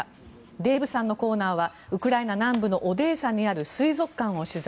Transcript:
デーブさんのコーナーはウクライナの南部にあるオデーサにある水族館を取材。